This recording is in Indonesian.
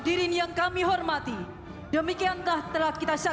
dan kemampuan terbuka